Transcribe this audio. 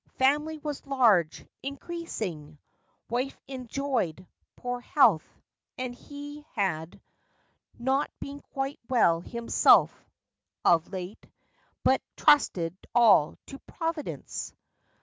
Family was large—increasing. Wife "enjoyed" poor health; and he had Not been quite well himself of late; But "trusted all to Providence."